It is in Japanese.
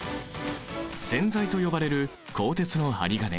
線材と呼ばれる鋼鉄の針金